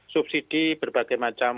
subsidi berbagai macam